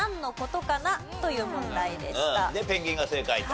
でペンギンが正解と。